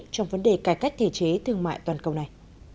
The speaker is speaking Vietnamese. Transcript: trong vấn đề cải cách thể chế thương mại toàn cầu này